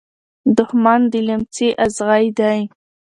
دښمن د لمڅی ازغي دی .